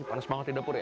panas banget di dapur ya